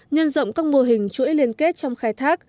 nhân rộng các mô hình chuỗi liên kết trong khai thác